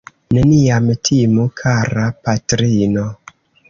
Neniam timu, kara patrino!